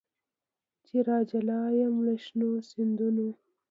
چي راجلا یم له شنو سیندونو